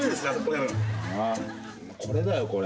これだよこれ。